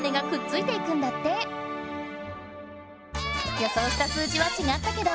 予想した数字はちがったけど